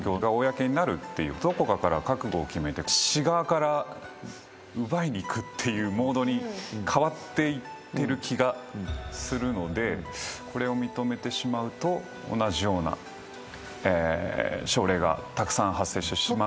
どこかから覚悟を決めて市側から奪いにいくっていうモードに変わっていってる気がするのでこれを認めてしまうと同じような症例がたくさん発生してしまう。